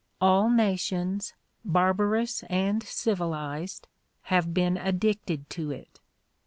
All nations, barbarous and civilized, have been addicted to it.